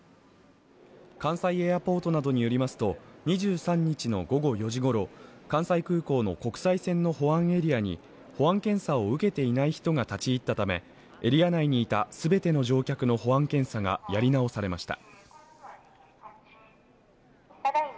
関西エアポートなどによりますと、２３日の午後４時ごろ関西空港の国際線の保安エリアに保安検査を受けていない人が立ち入ったためエリア内にいた全ての乗客の保安検査がやり直されました。